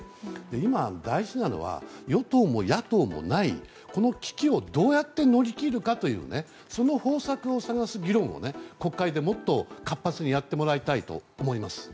今、大事なのは与党も野党もない、この危機をどうやって乗り切るかというその方策を探す議論を国会でもっと活発にやってもらいたいと思います。